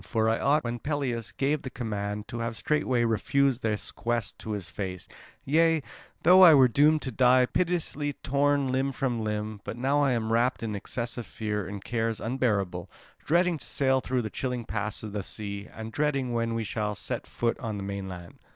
For I ought, when Pelias gave the command, to have straightway refused this quest to his face, yea, though I were doomed to die pitilessly, torn limb from limb, but now I am wrapped in excessive fear and cares unbearable, dreading to sail through the chilling paths of the sea, and dreading when we shall set foot on the mainland.